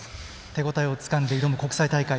手応えをつかんで挑む国際大会。